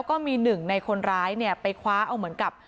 ก็มีหนึ่งในคนร้ายเนี่ยไปคว้าเอาเหมือนกับ